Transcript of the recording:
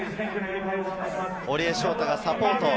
堀江翔太がサポート。